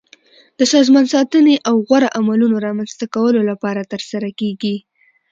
د سازمان ساتنې او غوره عملونو رامنځته کولو لپاره ترسره کیږي.